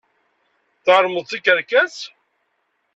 Tɛelmeḍ d tikerkas.